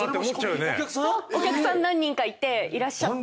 お客さん何人かいらっしゃって。